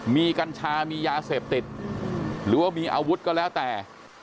มีกัญชามียาเสพติดหรือว่ามีอาวุธก็แล้วแต่